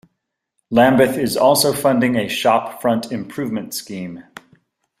Lambeth is also funding a shop front improvement scheme.